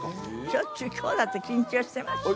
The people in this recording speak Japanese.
しょっちゅう今日だって緊張してますよ